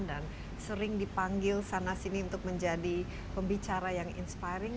dan sering dipanggil sana sini untuk menjadi pembicara yang inspiring